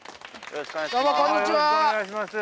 よろしくお願いします。